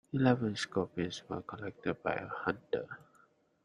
Eleven scorpions were collected by a hunter.